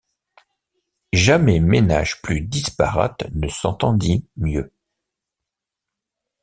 Jamais ménage plus disparate ne s’entendit mieux.